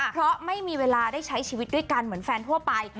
เพราะไม่มีเวลาได้ใช้ชีวิตด้วยกันเหมือนแฟนทั่วไป